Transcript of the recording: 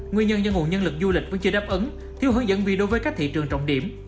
nguyên nhân do nguồn nhân lực du lịch vẫn chưa đáp ứng thiếu hướng dẫn vì đối với các thị trường trọng điểm